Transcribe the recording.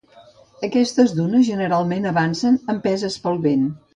Aquestes dunes generalment avancen, empeses pel vent.